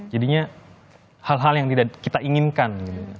jadinya hal hal yang tidak kita inginkan